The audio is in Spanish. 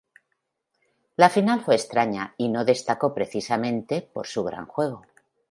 La final fue extraña y no destacó precisamente por su gran juego.